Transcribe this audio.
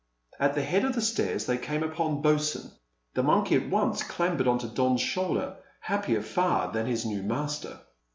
At the head of the stairs they came upon Bosin. The monkey at once clambered on to Don's shoulder, happier far than his new master.